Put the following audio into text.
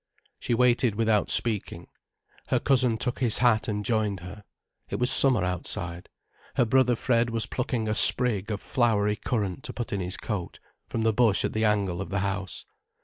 She waited without speaking. Her cousin took his hat and joined her. It was summer outside. Her brother Fred was plucking a sprig of flowery currant to put in his coat, from the bush at the angle of the house.